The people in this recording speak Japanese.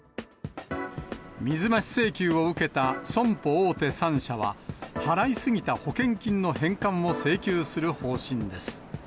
水増し請求を受けた損保大手３社は、払い過ぎた保険金の返還を請求する方針です。